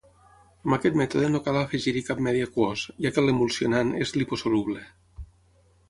Amb aquest mètode no cal afegir-hi cap medi aquós, ja que l'emulsionant és liposoluble.